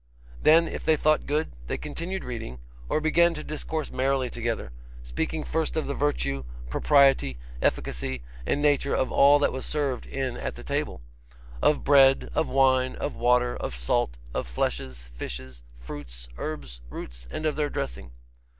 Then, if they thought good, they continued reading, or began to discourse merrily together; speaking first of the virtue, propriety, efficacy, and nature of all that was served in at the table; of bread, of wine, of water, of salt, of fleshes, fishes, fruits, herbs, roots, and of their dressing.